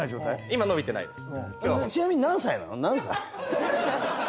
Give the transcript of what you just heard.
今伸びてないです